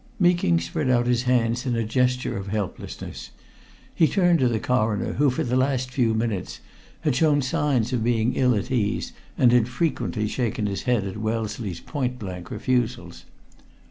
Meeking spread out his hands in a gesture of helplessness. He turned to the Coroner who, for the last few minutes, had shown signs of being ill at ease, and had frequently shaken his head at Wellesley's point blank refusals.